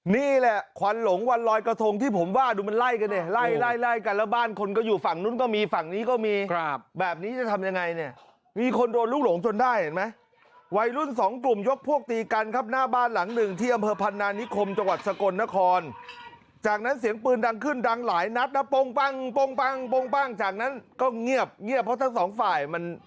นี่แหละควันหลงวันรอยกระทงที่ผมว่าดูมันไล่กันเนี่ยไล่ไล่ไล่กันแล้วบ้านคนก็อยู่ฝั่งนู้นก็มีฝั่งนี้ก็มีครับแบบนี้จะทำยังไงเนี่ยมีคนโดนลูกหลงจนได้เห็นไหมวัยรุ่นสองกลุ่มยกพวกตีกันครับหน้าบ้านหลังหนึ่งที่อำเภอพันธานิคมจังหวัดสกลนครจากนั้นเสียงปืนดังขึ้นดังหลายนัด